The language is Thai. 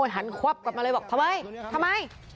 หันควับกลับมาเลยบอกทำไมทำไม